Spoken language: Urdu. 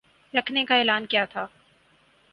رکھنے کا اعلان کیا تھا